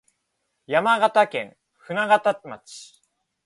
山形県舟形町